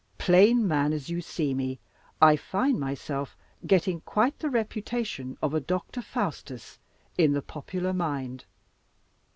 Plain man, as you see me, I find myself getting quite the reputation of a Doctor Faustus in the popular mind.